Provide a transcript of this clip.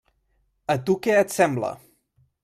A tu què et sembla?